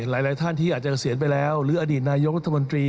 หลายท่านที่อาจจะเกษียณไปแล้วหรืออดีตนายกรัฐมนตรี